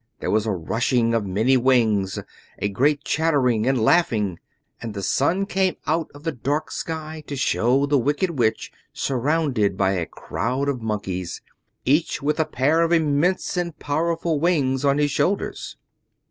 There was a rushing of many wings, a great chattering and laughing, and the sun came out of the dark sky to show the Wicked Witch surrounded by a crowd of monkeys, each with a pair of immense and powerful wings on his shoulders.